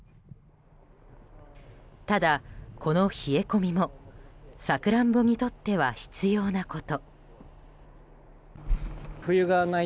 ただ、この冷え込みもサクランボにとっては必要なこと。